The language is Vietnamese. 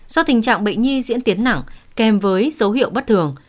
do tình trạng bệnh nhi diễn tiến nặng kèm với dấu hiệu bất thường